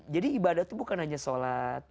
jadi ibadah itu bukan hanya sholat